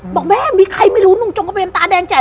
บอกแม่มีใครไม่รู้นุ่งจงกระเบนตาแดงใหญ่